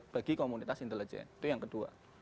bagi komunitas intelijen itu yang kedua